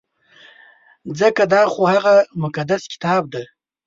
ځکه دا خو هغه مقدس کتاب دی.